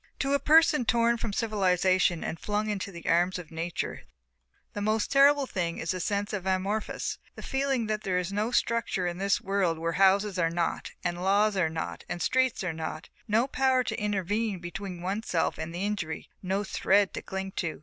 To a person torn from civilization and flung into the arms of Nature the most terrible thing is the sense of the amorphous, the feeling that there is no structure in this world where houses are not and laws are not and streets are not, no power to intervene between oneself and injury, no thread to cling to.